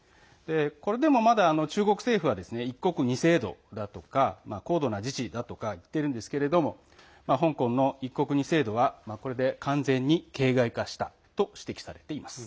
これでも、まだ中国政府は一国二制度だとか高度な自治だとか言ってるんですけれども香港の一国二制度はこれで完全に形骸化したといわれています。